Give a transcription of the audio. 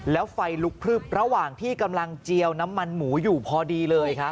แล้วไฟลุกพลึบระหว่างที่กำลังเจียวน้ำมันหมูอยู่พอดีเลยครับ